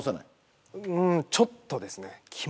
ちょっとですね。